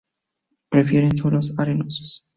Prefieren suelos arenosos.